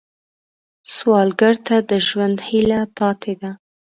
سوالګر ته د ژوند هیله پاتې ده